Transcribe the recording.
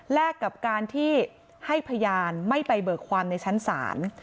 กับการที่ให้พยานไม่ไปเบิกความในชั้นศาล